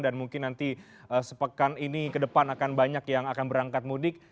dan mungkin nanti sepekan ini ke depan akan banyak yang akan berangkat mudik